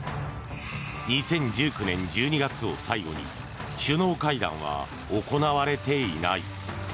２０１９年１２月を最後に首脳会談は行われていない。